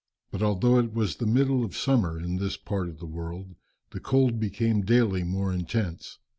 But although it was the middle of summer in this part of the world, the cold became daily more intense.